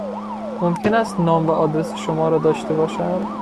ممکن است نام و آدرس شما را داشته باشم؟